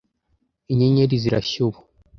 Inyenyeri zirashya ubu